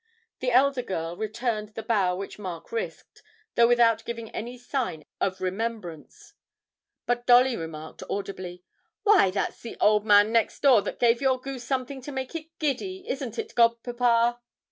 The elder girl returned the bow which Mark risked, though without giving any sign of remembrance; but Dolly remarked audibly, 'Why, that's the old man next door that gave your goose something to make it giddy, isn't it, godpapa?'